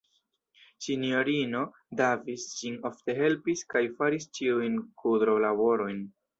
Sinjorino Davis ŝin ofte helpis kaj faris ĉiujn kudrolaborojn.